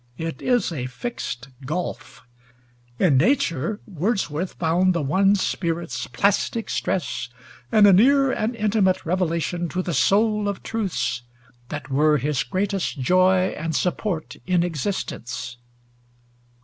It is a fixed gulf. In nature Wordsworth found the one spirit's "plastic stress," and a near and intimate revelation to the soul of truths that were his greatest joy and support in existence.